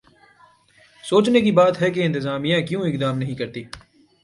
سوچنے کی بات ہے کہ انتظامیہ کیوں اقدام نہیں کرتی؟